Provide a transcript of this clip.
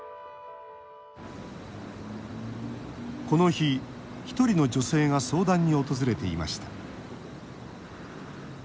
この日、１人の女性が相談に訪れていました。